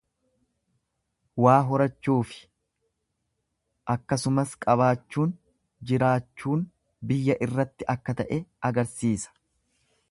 Waa horachuufi akkasumas qabaachuun jiraachuun biyya irratti akka ta'e agarsiisa.